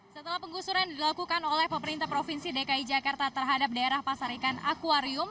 setelah penggusuran dilakukan oleh pemerintah provinsi dki jakarta terhadap daerah pasar ikan akwarium